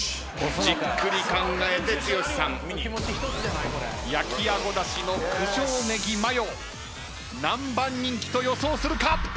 じっくり考えて剛さん焼きあごだしの九条ねぎマヨ何番人気と予想するか。